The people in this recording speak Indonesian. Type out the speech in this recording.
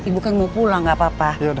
ibu kan mau pulang gak apa apa